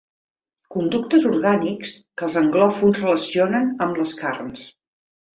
Conductes orgànics que els anglòfons relacionen amb les carns.